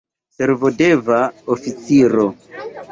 Servodeva oficiro.